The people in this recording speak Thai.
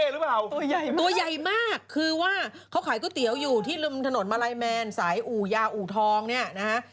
ตัวใหญ่มากคือว่าเค้าขายก๋วยเตี๋ยวอยู่ที่ถนนมาลัยแมนสายอู่ยาอู่ทองเนี่ยนะฮะ